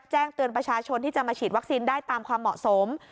แจ้งเตือนประชาชนที่จะมาฉีดวัคซีนได้ตามความเหมาะสม